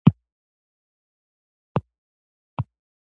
د پکتیکا په نکې کې د ګچ نښې شته.